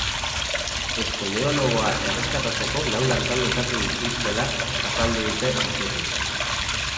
Espeleologoa erreskatatzeko lau lantalde osatu dituztela azaldu dute iturriek.